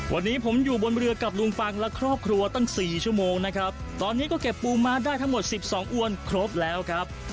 วันนี้ผมอยู่บนเรือกับลุงปังและครอบครัวตั้งสี่ชั่วโมงนะครับตอนนี้ก็เก็บปูม้าได้ทั้งหมดสิบสองอวนครบแล้วครับ